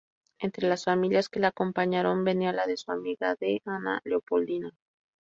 Entre las familias que la acompañaron, venía la de su amiga D. Ana Leopoldina.